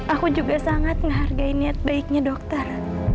aku juga sangat menghargai niat baiknya dokter